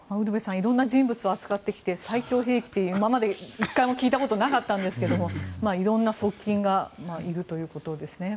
いろんな人物を扱ってきて最強兵器って今まで１回も聞いたことなかったんですけどいろんな側近がいるんですね。